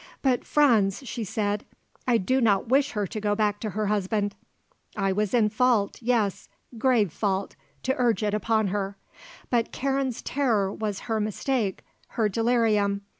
"But Franz," she said, "I do not wish her to go back to her husband. I was in fault, yes, grave fault, to urge it upon her; but Karen's terror was her mistake, her delirium.